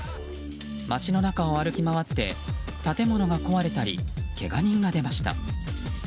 街の中を歩き回って建物が壊れたりけが人が出ました。